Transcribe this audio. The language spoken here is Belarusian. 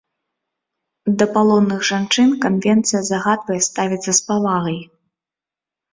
Да палонных жанчын канвенцыя загадвае ставіцца з павагай.